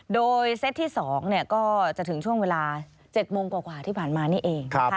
โดยเซตที่๒ก็จะถึงช่วงเวลา๗โมงกว่าที่ผ่านมานี่เอง